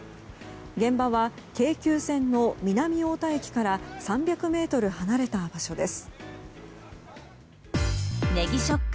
現場は京急線の南太田駅から３００ｍ離れた場所です。